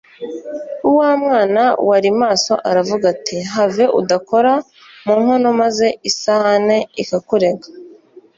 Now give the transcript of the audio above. Wa mwana wari maso aravuga ati:“ Have udakora mu nkono maze isahane ikakurega